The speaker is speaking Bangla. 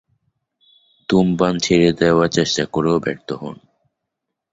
ধূমপান ছেড়ে দেয়ার চেষ্টা করেও ব্যর্থ হন।